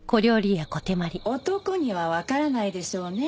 男にはわからないでしょうね。